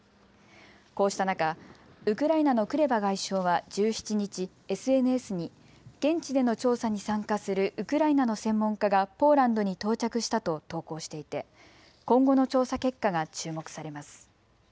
こうした中、ウクライナのクレバ外相は１７日、ＳＮＳに現地での調査に参加するウクライナの専門家がポーランドに到着したと投稿していて今後の調査結果が注目されます。